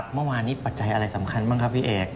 เมื่อวานนี้ปัจจัยอะไรสำคัญบ้างครับพี่เอก